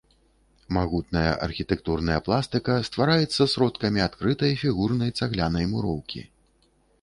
Магутная архітэктурная пластыка ствараецца сродкамі адкрытай фігурнай цаглянай муроўкі.